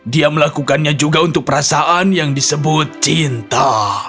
dia melakukannya juga untuk perasaan yang disebut cinta